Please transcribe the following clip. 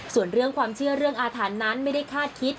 ส่วนเรื่องความเชื่อเรื่องอาถรรพ์นั้นไม่ได้คาดคิด